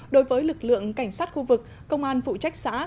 đối với lực lượng cảnh sát khu vực công an phụ trách xã